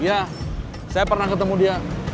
ya saya pernah ketemu dia